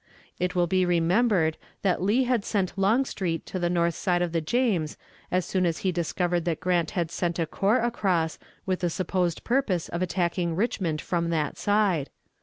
It will be remembered that Lee had sent Longstreet to the north side of the James as soon as he discovered that Grant had sent a corps across with the supposed purpose of attacking Richmond from that side.